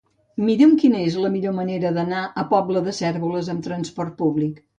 Mira'm quina és la millor manera d'anar a la Pobla de Cérvoles amb trasport públic.